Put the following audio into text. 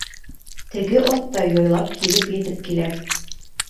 Теге ат та яйлап килеп етеп килә.